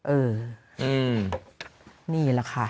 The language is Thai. เออนี่แหละค่ะ